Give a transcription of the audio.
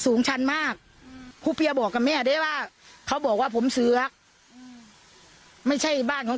ชันมากครูเปียบอกกับแม่ได้ว่าเขาบอกว่าผมเสือกไม่ใช่บ้านของ